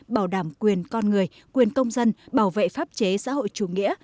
bảo đảm quyền con người quyền công dân bảo vệ pháp chế xã hội chủ nghĩa